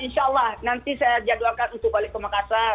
insya allah nanti saya jadwalkan untuk balik ke makassar